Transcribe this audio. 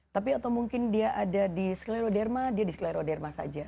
tapi atau mungkin dia ada di scleroderma dia di scleroderma saja